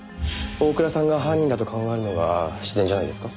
大倉さんが犯人だと考えるのが自然じゃないですか？